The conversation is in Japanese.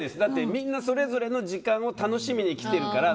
みんなそれぞれの時間を楽しみに来てるから。